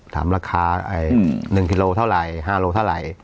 ถามราคา๑กิโลเท่าไหร่๕โลเท่าไหร่